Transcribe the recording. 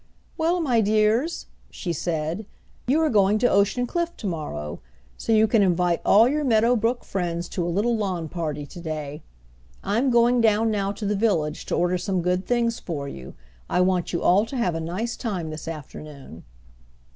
"Well, my dears," she said, "you are going to Ocean Cliff to morrow, so you can invite all your Meadow Brook friends to a little lawn party to day. I'm going down now to the village to order some good things for you. I want you all to have a nice time this afternoon."